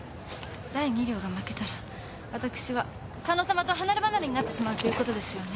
第二寮が負けたら私は佐野さまと離れ離れになってしまうということですよね？